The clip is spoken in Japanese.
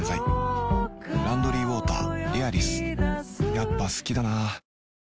やっぱ好きだな